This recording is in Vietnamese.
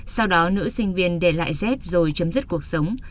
sau đó nữ sinh viên để lại dép rồi chấm dứt cuộc sống